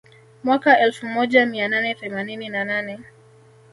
Mwaka elfu moja mia nane themanini na nane